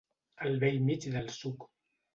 El bell mig del suc.